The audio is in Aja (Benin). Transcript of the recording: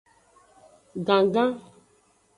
Gangan.